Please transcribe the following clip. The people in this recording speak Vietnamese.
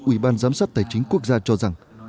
ủy ban giám sát tài chính quốc gia cho rằng